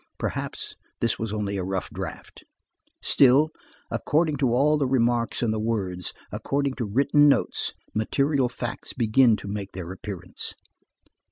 Perhaps this was only a rough draft. Still, according to all the remarks and the words, according to written notes, material facts begin to make their appearance.